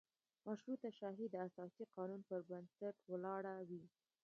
مشروطه شاهي د اساسي قانون په بنسټ ولاړه وي.